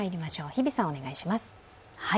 日比さん、お願いします。